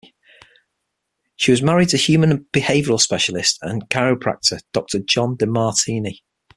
She was married to human behavioral specialist and chiropractor Doctor John Demartini.